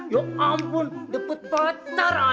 ya ampun dapet pacar ada